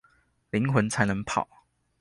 靈魂才能跑